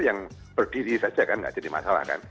yang berdiri saja kan nggak jadi masalah kan